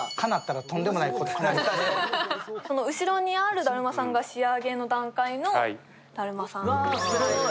後ろにあるだるまさんが仕上げの段階のだるまさんですね。